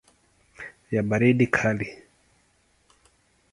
ya baridi kali.